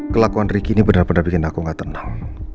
kelakuan riki ini benar benar bikin aku gak tenang